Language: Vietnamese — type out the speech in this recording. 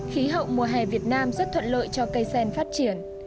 khí hậu mùa hè việt nam rất thuận lợi cho cây sen phát triển